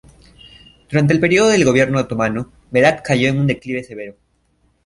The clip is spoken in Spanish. Durante el período del gobierno otomano, Berat cayó en un declive severo.